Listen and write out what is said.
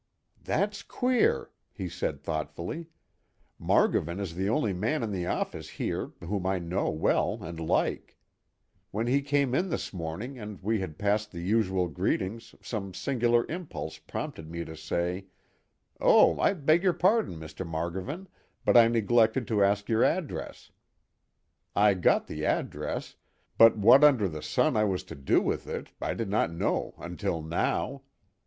"That's queer," he said thoughtfully. "Margovan is the only man in the office here whom I know well and like. When he came in this morning and we had passed the usual greetings some singular impulse prompted me to say: 'Oh, I beg your pardon, Mr. Margovan, but I neglected to ask your address.' I got the address, but what under the sun I was to do with it, I did not know until now.